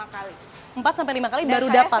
empat lima kali baru dapat